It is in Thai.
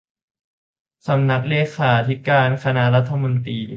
สำนักเลขาธิการคณะรัฐมนตรี